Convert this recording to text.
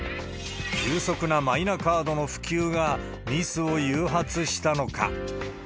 急速なマイナカードの普及がミスを誘発したのか。